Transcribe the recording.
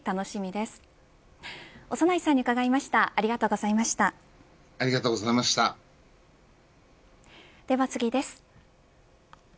では次です。